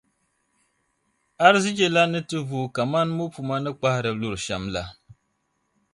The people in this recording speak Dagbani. arzichilana ni ti vuui kaman mɔpuma ni kpahiri luri shɛm la.